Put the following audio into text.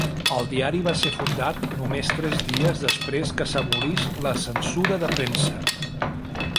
El diari va ser fundat només tres dies després que s'abolís la censura de premsa.